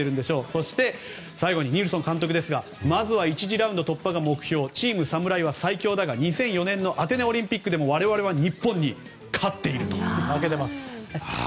そして、最後にニルソン監督はまずは１次ラウンド突破が目標チーム侍は最強だが２００４年のアテネオリンピックでも我々は日本に勝っていると。